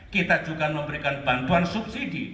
kita juga memberikan bantuan subsidi